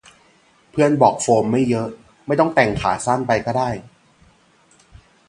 เพื่อนบอกโฟมไม่เยอะ ไม่ต้องแต่งขาสั้นไปก็ได้